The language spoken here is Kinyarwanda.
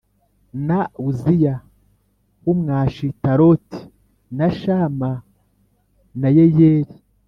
Na uziya w umwashitaroti na shama na yeyeli